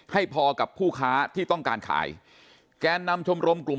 ให้พอกับผู้ค้าที่ต้องการขายแกนนำชมรมกลุ่ม